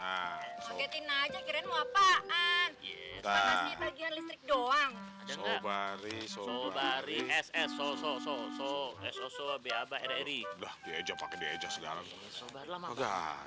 doang sobar iso sobari ss sososo sososo biaba eri eri dah diajak pakai diajak sedang